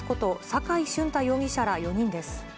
坂井俊太容疑者ら４人です。